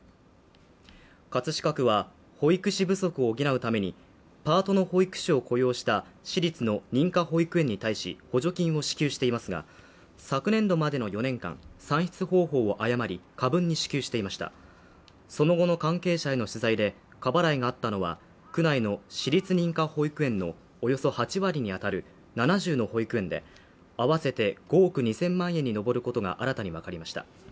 葛飾区は保育士不足を補うためにパートの保育士を雇用した私立の認可保育園に対し補助金を支給していますが昨年度までの４年間算出方法を誤り過分に支給していましたその後の関係者への取材で過払いがあったのは区内の私立認可保育園のおよそ８割にあたる７０の保育園で合わせて５億２０００万円に上ることが新たに分かりました